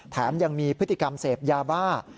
แถมยังมีพฤติกรรมเสพยาบ้า